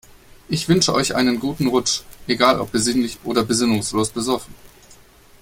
Ich wünsche euch einen guten Rutsch, egal ob besinnlich oder besinnungslos besoffen.